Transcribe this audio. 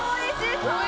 そう